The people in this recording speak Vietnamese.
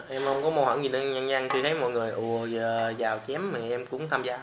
em không có mâu hẳn gì nhanh nhanh chứ thấy mọi người ồ giờ dao chém em cũng tham gia